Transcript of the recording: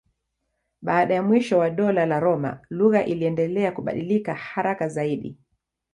Baada ya mwisho wa Dola la Roma lugha iliendelea kubadilika haraka zaidi.